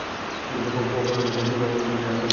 কখনো ছাড় দাওনি আমায়!